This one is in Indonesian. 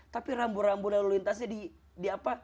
tapi rambu rambu lalu lintasnya